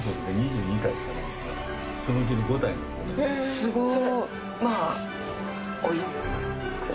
すごい。